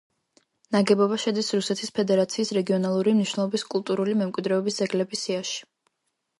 ნაგებობა შედის რუსეთის ფედერაციის რეგიონალური მნიშვნელობის კუტურული მემკვიდრეობის ძეგლების სიაში.